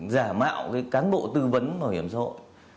giả mạo cái cán bộ tư vấn bảo hiểm xã hội